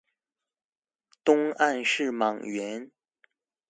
東岸是莽原